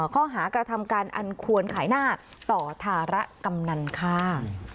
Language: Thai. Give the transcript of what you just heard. กระทำการอันควรขายหน้าต่อธาระกำนันค่ะ